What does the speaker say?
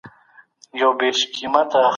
سفیران کله د اتباعو ساتنه کوي؟